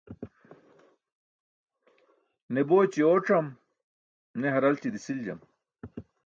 Ne booći ooc̣am ke, ne haralći disiljam.